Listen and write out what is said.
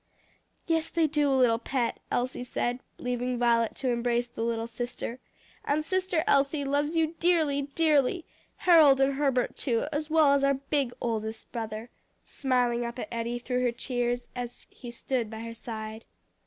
"Yes, they do, little pet," Elsie said, leaving Violet to embrace the little sister; "and sister Elsie loves you dearly, dearly. Harold and Herbert too; as well as our big oldest brother," smiling up at Eddie through her tears, as he stood by her side.